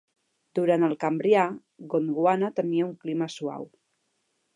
Durant el Cambrià, Gondwana tenia un clima suau.